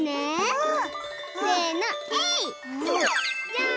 うん！